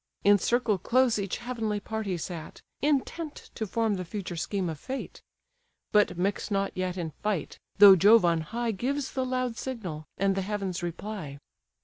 In circle close each heavenly party sat, Intent to form the future scheme of fate; But mix not yet in fight, though Jove on high Gives the loud signal, and the heavens reply.